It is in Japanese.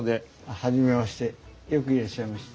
初めましてよくいらっしゃいました。